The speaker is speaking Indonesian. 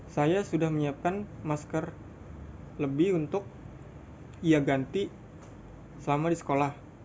saya sudah menyiapkan masker lebih untuk ia ganti selama di sekolah